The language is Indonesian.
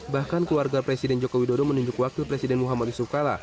bahkan keluarga presiden joko widodo menunjuk wakil presiden muhammad yusuf kala